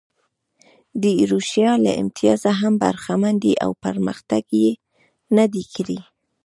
د ایروشیا له امتیازه هم برخمن دي او پرمختګ یې نه دی کړی.